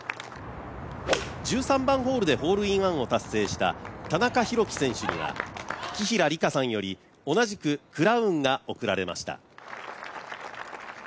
１３番ホールでホールインワンを達成した田中裕基選手には紀平さんより同じくクラウンが贈られました。